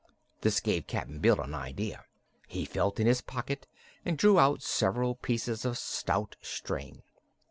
This gave Cap'n Bill an idea. He felt in his pocket and drew out several pieces of stout string.